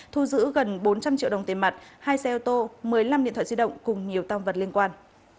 thu giữ gần bốn trăm linh triệu đồng tiền mặt hai xe ô tô một mươi năm điện thoại di động cùng nhiều tam vật liên quan